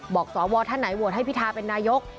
สวท่านไหนโหวตให้พิทาเป็นนายก